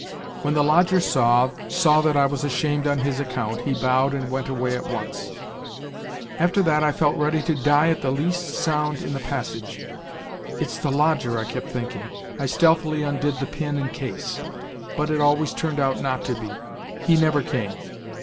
26 WHITE NIGHTS When the lodger saw, saw that I was ashamed on his account, he bowed and went away at once !" After that I felt ready to die at the least sound in the passage. ' It's the lodger,' I kept thinking; I stealthily undid the pin in case. But it always turned out not to be, he never came.